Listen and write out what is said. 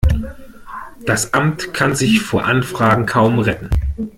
Das Amt kann sich vor Anfragen kaum retten.